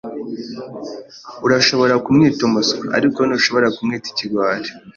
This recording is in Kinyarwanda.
Urashobora kumwita umuswa, ariko ntushobora kumwita ikigwari.